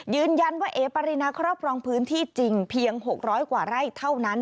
ยืนยันว่าเอ๋ปรินาครอบครองพื้นที่จริงเพียง๖๐๐กว่าไร่เท่านั้น